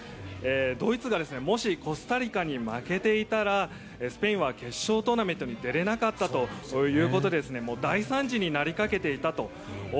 ドイツがもしコスタリカに負けていたらスペインは決勝トーナメントに出られなかったということで大惨事になりかけていたと。